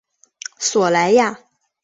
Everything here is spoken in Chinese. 索莱亚。